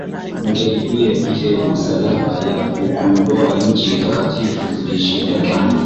majaribio ya vita vya msalaba ya kuikomboa nchi takatifu yalishindikana